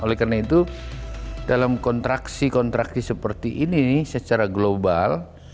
oleh karena itu dalam kontraksi kontraksi seperti ini secara global